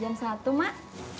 jam satu mak